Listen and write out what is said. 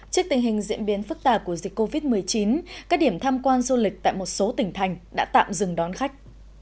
trước tình hình diễn biến phức tạp của dịch covid một mươi chín các điểm tham quan du lịch tại một số tỉnh thành đã tạm dừng đón khách